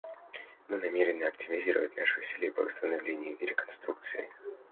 Мы намерены активизировать наши усилия по восстановлению и реконструкции.